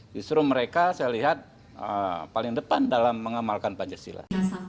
justru mereka saya lihat paling depan dalam mengamalkan pancasila